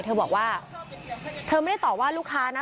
เธอบอกว่าเธอไม่ได้ตอบว่าลูกค้านะ